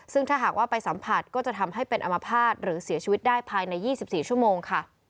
ซึ่งถ้าหากว่าไปสัมผัสก็จะทำให้เป็นอมภาษณ์หรือเสียชีวิตได้ภายใน๒๔ชั่วโมงค่ะ